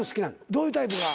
どういうタイプが？